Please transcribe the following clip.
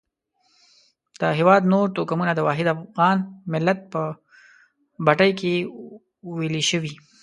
د هېواد نور توکمونه د واحد افغان ملت په بټۍ کې ویلي شوي.